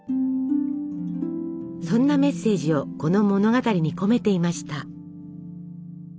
そんなメッセージをこの物語に込めていました。